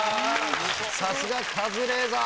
さすがカズレーザー！